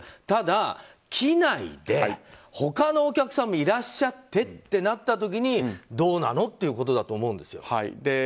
ただ、機内で他のお客さんもいらっしゃってとなった時にどうなの？っていうことだと思うんですよ。